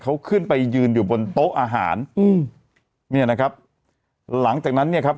เขาขึ้นไปยืนอยู่บนโต๊ะอาหารอืมเนี่ยนะครับหลังจากนั้นเนี่ยครับ